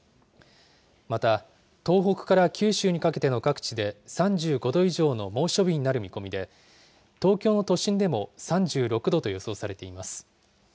また、東北から九州にかけての各地で３５度以上の猛暑日になる見込みで、東京の都心でも３６度と予想されています。